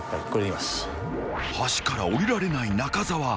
［橋から下りられない中澤］